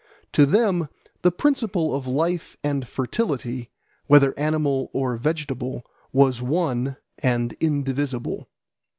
To them the principle of life and fertility, whether animal or vegetable, was one and indivisible.